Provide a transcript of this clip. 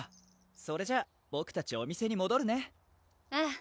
それじゃあボクたちお店にもどるねああ